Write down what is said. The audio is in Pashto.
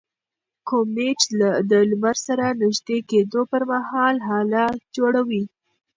کومیټ د لمر سره نژدې کېدو پر مهال هاله جوړوي.